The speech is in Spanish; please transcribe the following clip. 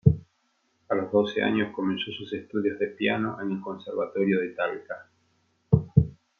A los doce años comenzó sus estudios de piano en el conservatorio de Talca.